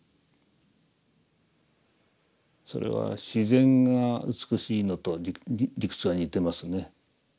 それは自然が美しいのと理屈が似てますね。